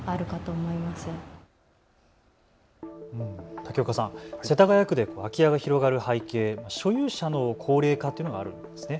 竹岡さん、世田谷区で空き家が広がる背景、所有者の高齢化があるんですね。